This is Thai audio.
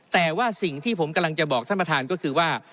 แต่ว่าสิ่งที่ผมกำลังจะบอกท่านประธานก็คือว่า